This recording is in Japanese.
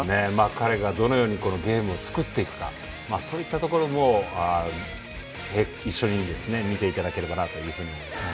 彼がどのようにゲームを作っていくかそういったところも一緒に見ていただければなと思います。